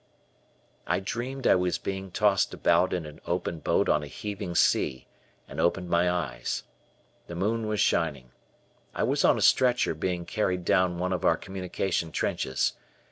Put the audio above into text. I dreamed I was being tossed about in an open boat on a heaving sea and opened my eyes. The moon was shining. I was on a stretcher being carried down one of our communication trenches.